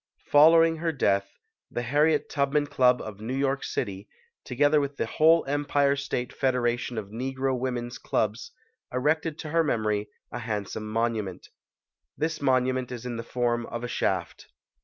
Following her death, the Harriet Tubman Club HARRIET TUBMAN [ 101 of New York City, together with the whole Em pire State Federation of Negro Women's Clubs, erected to her memory a handsome monument. This monument is in the form of a shaft.